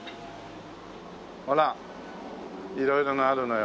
ほら色々のあるのよ。